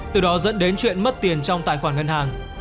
từ đó dẫn đến chuyện mất tiền trong tài khoản ngân hàng